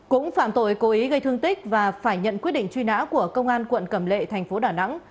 cũng phạm tội cố ý gây thương tích và phải nhận quyết định truy nã của công an quận cầm lệ tp đà nẵng